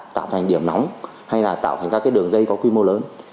tạo thành điểm nóng hay là tạo thành các đường dây có quy mô lớn